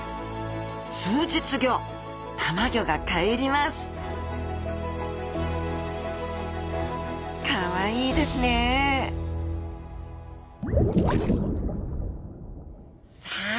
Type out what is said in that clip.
数日後たまギョがかえりますカワイイですねさあ